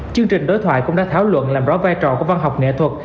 chương trình đối thoại cũng đã thảo luận làm rõ vai trò của văn học nghệ thuật